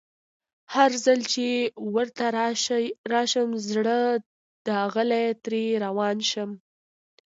هرځل چي ورته راشم زړه داغلی ترې روان شم